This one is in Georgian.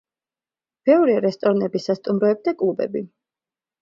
ბევრია რესტორნები, სასტუმროები და კლუბები.